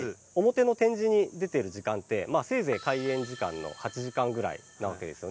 表の展示に出てる時間ってまあせいぜい開園時間の８時間ぐらいなわけですよね。